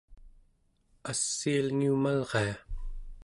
assiilngiumalria